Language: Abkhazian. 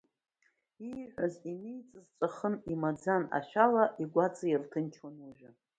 Ииҳәаз, иниҵыз ҵәахын, имаӡан, ашәала игәаҵа ирҭынчуан уажәы.